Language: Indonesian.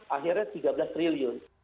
akhirnya tiga belas triliun